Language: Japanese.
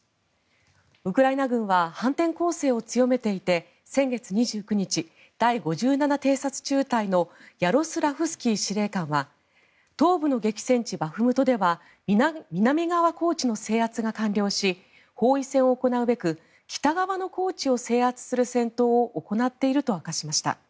ウクライナ軍は反転攻勢を強めていて先月２９日、第５７偵察中隊のヤロスラフスキー司令官は東部の激戦地バフムトでは南側高地の制圧が完了し包囲戦を行うべく北側の高地を制圧する戦闘を行っていると明かしました。